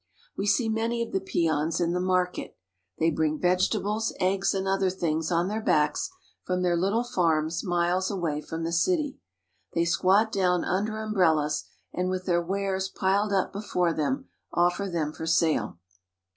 We see many of the peons in the market. They bring vegetables, eggs, and other things on their backs from their little farms miles away from the city. They squat down under umbrellas, and, with their wares piled up be fore them, offer them for sale.